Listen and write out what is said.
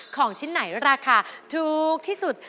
ของชิ้นไหนราคาถูกที่สุด